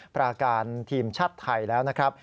ปราการทีมชาติไทยแล้วนะครับ